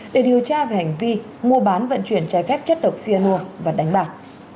để điều tra về hành vi mua bán vận chuyển trái phép chất độc xi nua và đánh bạc